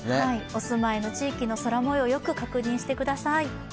お住まいの地域の空もようよく確認してください。